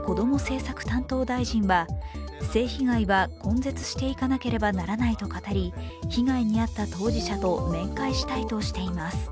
政策担当大臣は、性被害は根絶していかなければならないと語り被害に遭った当事者と面会したいとしています。